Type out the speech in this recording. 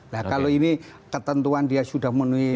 nah kalau ini ketentuan dia sudah menuhi